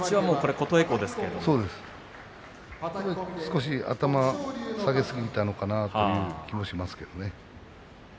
少し頭を下げすぎたのかなという気もしますけれど。